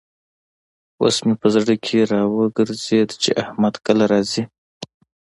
اوس مې په زړه کې را وګرزېد چې احمد کله راځي.